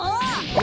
あ。